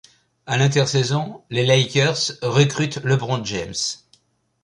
À l'intersaison, les Lakers recrutent LeBron James.